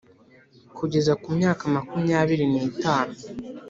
Kugeza ku myaka makumyabiri n itanu